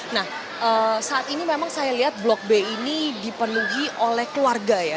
nah saat ini memang saya lihat blok b ini dipenuhi oleh keluarga ya